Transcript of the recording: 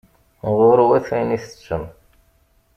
Ɣur-wet ayen i ttettem.